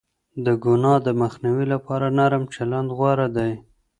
د گناه د مخنيوي لپاره نرم چلند غوره دی.